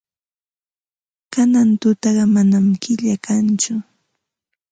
Kanan tutaqa manam killa kanchu.